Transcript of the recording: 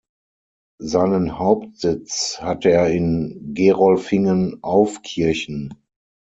Seinen Hauptsitz hat er in Gerolfingen-Aufkirchen.